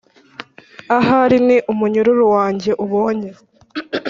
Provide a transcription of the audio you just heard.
ahari ni umunyururu wanjye ubonye.